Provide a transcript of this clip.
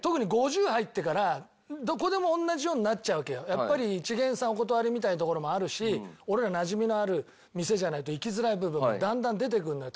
やっぱり一見さんお断りみたいな所もあるし俺がなじみのある店じゃないと行きづらい部分もだんだん出てくるのよ